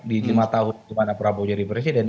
di lima tahun kemana prabowo jadi presiden